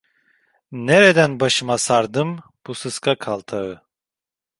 Nereden başıma sardım bu sıska kaltağı…